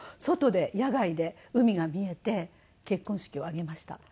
外で野外で海が見えて結婚式を挙げました。